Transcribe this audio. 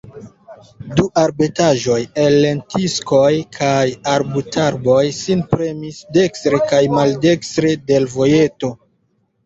Du arbetaĵoj el lentiskoj kaj arbutarboj sin premis dekstre kaj maldekstre de l' vojeto.